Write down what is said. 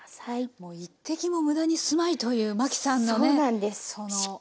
もう１滴も無駄にすまいという麻紀さんのね。